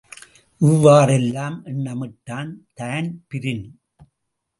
இவ்வாறெல்லாம் எண்ணமிட்டான் தான்பிரீன்.